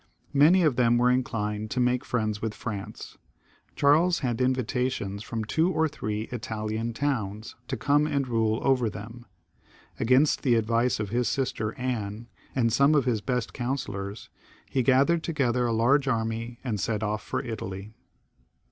Many of them were inclined to make friends with Frsoice. Charles had invitations from two or three Italian towns to come and rule over them. Against the advice of his . sister Anne, and some of his best councillors, he gathered together a large army, and set off for Italy.